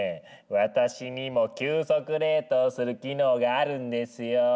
私にも急速冷凍する機能があるんですよ！